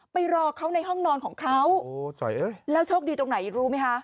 ไปรอเขาในห้องนอนของเขาแล้วโชคดีตรงไหนรู้ไหมคะ